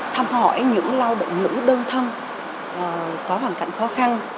thăm hỏi những lao động nữ đơn thân có hoàn cảnh khó khăn